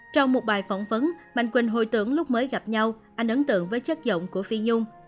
trong một bài phỏng vấn mạnh quỳnh hồi tưởng lúc mới gặp nhau anh ấn tượng với chất giọng của phi dung